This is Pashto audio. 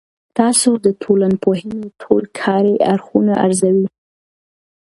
تاسو د ټولنپوهنې ټول کاري اړخونه ارزوي؟